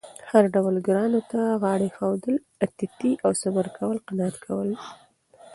هر ډول ګرانو ته غاړه اېښودل، اتیتې او صبر کول، قناعت کول